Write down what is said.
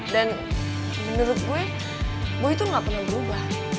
dan menurut gue boy tuh gak pernah berubah